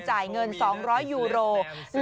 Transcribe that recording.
จ่ายเงิน๒๐๐ยูโร